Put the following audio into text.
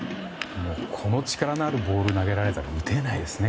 この力のあるボールを投げられたら打てないですね。